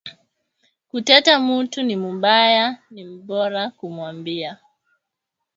Kuteta mutu ni mubaya ni bora kumwambia